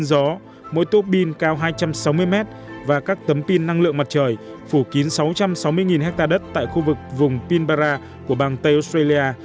pin gió mỗi tuốc biên cao hai trăm sáu mươi m và các tấm pin năng lượng mặt trời phủ kín sáu trăm sáu mươi ha đất tại khu vực vùng pinbara của bang tây australia